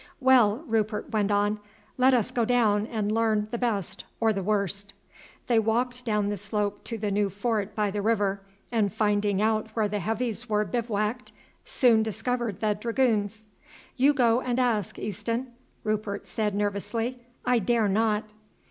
"Well," Rupert went on, "let us go down and learn the best or the worst." They walked down the slope to the new fort by the river, and finding out where the Heavies were bivouacked soon discovered the Dragoons. "You go and ask, Easton," Rupert said nervously; "I dare not."